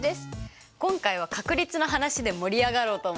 今回は確率の話で盛り上がろうと思って。